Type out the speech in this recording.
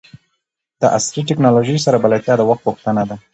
د عصري ټکنالوژۍ سره بلدتیا د وخت غوښتنه ده.